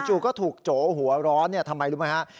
จู่ก็ถูกโจ๋หัวร้อนทำไมรู้ไหมครับ